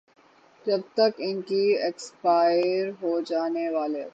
جب تک ان کے ایکسپائر ہوجانے والے